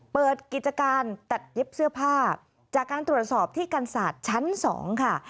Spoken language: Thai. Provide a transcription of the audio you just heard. เปิดกิจการตัดเย็บเสื้อผ้าจากการตรวจสอบที่กันศาสตร์ชั้น๒ค่ะ